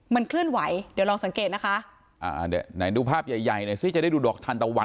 มันเคลื่อนไหวเดี๋ยวลองสังเกตนะคะดูภาพใหญ่จะได้ดูดอกทานตะวัน